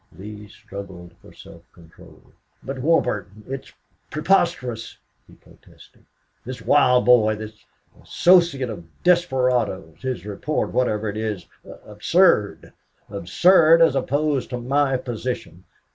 Lee struggled for self control. "But, Warburton, it's preposterous!" he protested. "This wild boy the associate of desperadoes his report, whatever it is absurd! Absurd as opposed to my position!